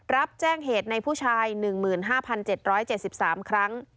รับแจ้งเหตุในผู้ชาย๑๕๗๗๓ครั้ง